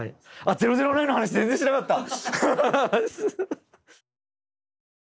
「００９」の話全然しなかった！